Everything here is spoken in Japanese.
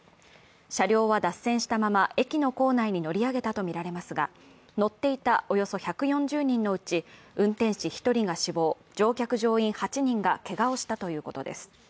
車両は脱線したまま駅の構内に乗り上げたとみられますが、乗っていたおよそ１４０人のうち運転士１人が死亡、乗客・乗員８人がけがをしたということです。